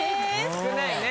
・少ないね。